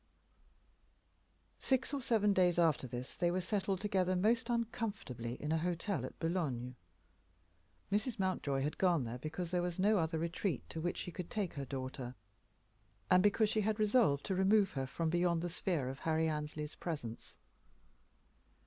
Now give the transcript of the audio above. Six or seven days after this they were settled together most uncomfortably in a hotel at Boulogne. Mrs. Mountjoy had gone there because there was no other retreat to which she could take her daughter, and because she had resolved to remove her from beyond the sphere of Harry Annesley's presence.